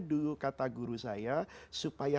dulu kata guru saya supaya